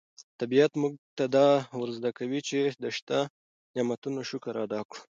طبیعت موږ ته دا ور زده کوي چې د شته نعمتونو شکر ادا کړو.